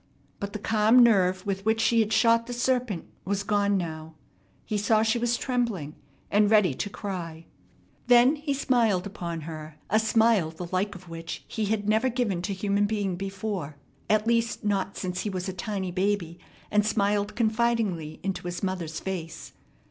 But the calm nerve with which she had shot the serpent was gone now. He saw she was trembling and ready to cry. Then he smiled upon her, a smile the like of which he had never given to human being before; at least, not since he was a tiny baby and smiled confidingly into his mother's face.